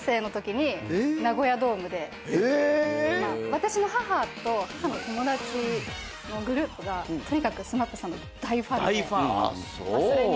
私の母と母の友達のグループがとにかくＳＭＡＰさんの大ファンでそれについてくように。